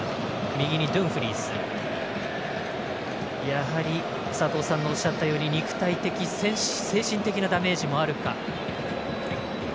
やはり佐藤さんがおっしゃったように肉体的、精神的なダメージもあるか。